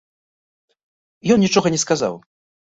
Ён нічога не сказаў.